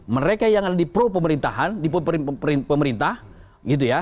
mereka yang ada di pro pemerintahan di pemerintah gitu ya